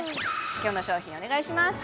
今日の商品お願いします